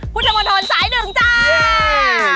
พุทธมนตรสายหนึ่งจ้า